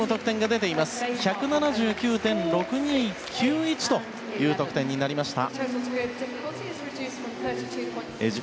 １７９．６２９１という得点になりました。